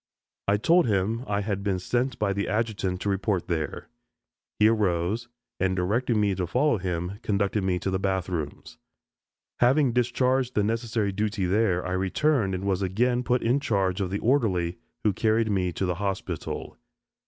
I told him I had been sent by the adjutant to report there. He arose, and directing me to follow him, conducted me to the bath rooms. Having discharged the necessary duty there, I returned and was again put in charge of the orderly, who carried me to the hospital.